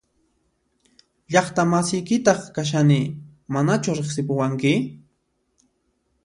Llaqta masiykitaq kashani ¿Manachu riqsipuwanki?